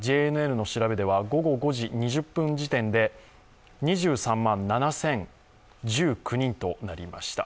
ＪＮＮの調べでは午後５時２０分時点で、２３万７０１９人となりました。